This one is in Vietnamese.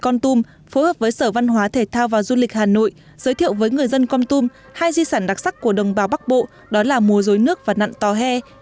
con tum phối hợp với sở văn hóa thể thao và du lịch hà nội giới thiệu với người dân con tum hai di sản đặc sắc của đồng bào bắc bộ đó là mùa dối nước và nạn tòa hè